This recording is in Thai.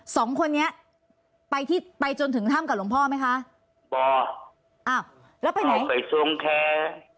สองคนนี้ไปที่ไปจนถึงถ้ำกับหลวงพ่อไหมคะพออ้าวแล้วไปไหนไปทรงแคร์